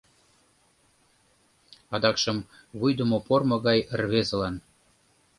Адакшым — вуйдымо пормо гай рвезылан.